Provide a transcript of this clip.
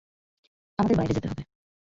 আমাদের বাইরে যেতে হবে।